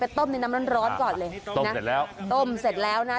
ต้มในน้ำร้อนร้อนก่อนเลยต้มเสร็จแล้วต้มเสร็จแล้วนะ